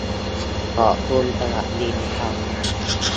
ขอบคุณสำหรับลิงก์ครับ